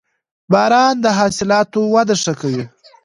• باران د حاصلاتو وده ښه کوي.